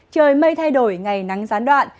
trời mây thay đổi ngày nắng gián đoạn